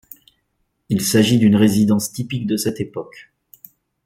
Il s'agit d'une résidence typique de cette époque.